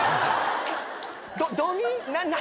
ドドミ何？